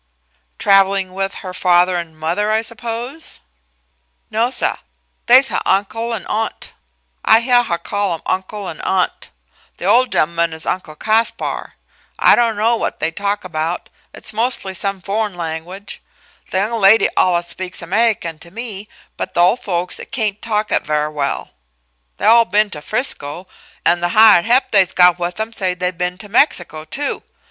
"Traveling with her father and mother, I suppose?" "No, suh; they's huh uncle and aunt. I heah huh call 'em uncle an' aunt. Th' ole gent'man is Uncle Caspar. I don' know what they talk 'bout. It's mostly some foh'en language. Th' young lady allus speaks Amehican to me, but th' old folks cain't talk it ver' well. They all been to Frisco, an' the hired he'p they's got with 'em say they been to Mexico, too.